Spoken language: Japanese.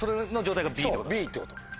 そうＢってこと。